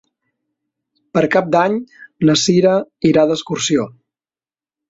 Per Cap d'Any na Cira irà d'excursió.